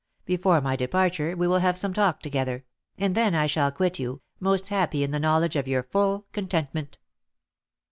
Before my departure we will have some talk together, and then I shall quit you, most happy in the knowledge of your full contentment."